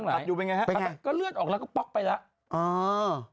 ผัดรับอยู่เป็นไงฮะก็เลือดออกและป่อกไปแล้ว